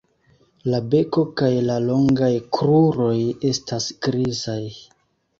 La beko kaj la longaj kruroj estas grizaj.